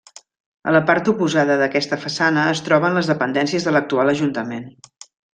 A la part oposada d'aquesta façana es troben les dependències de l'actual Ajuntament.